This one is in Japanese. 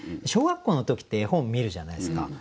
小学校の時って絵本見るじゃないですか。